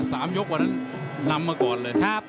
สามยกวันนั้นนำมาก่อนเลยครับ